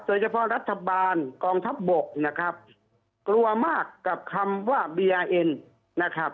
เฉพาะรัฐบาลกองทัพบกนะครับกลัวมากกับคำว่าเบียร์เอ็นนะครับ